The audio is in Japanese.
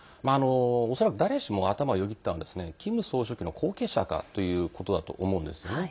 恐らく、誰しもが頭をよぎったのはキム総書記の後継者かということだと思うんですよね。